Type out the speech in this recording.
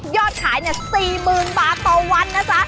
ยอดขายเนี่ย๔๐๐๐๐บาทตัววันน่ะส่ะ